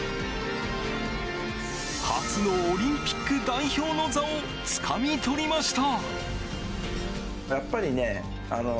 初のオリンピック代表の座をつかみ取りました。